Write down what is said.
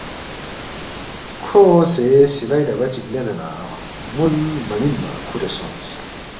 کھو اونگسے سِلائی ڈبا چِک لینے نہ خمُول مہ مِنما کُھورے سونگس